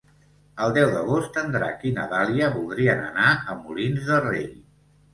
El deu d'agost en Drac i na Dàlia voldrien anar a Molins de Rei.